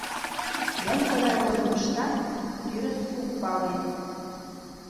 Мом тыгай годым ыштат — тӱрыс ок пале.